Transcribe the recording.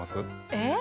えっ⁉